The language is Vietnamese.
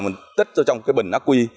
mình tích vào trong cái bình aq